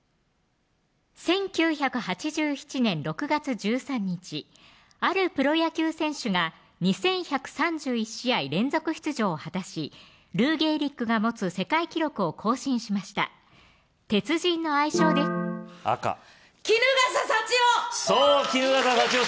１９８７年６月１３日あるプロ野球選手が２１３１試合連続出場を果たしルー・ゲーリッグが持つ世界記録を更新しました「鉄人」の愛称で赤衣笠祥雄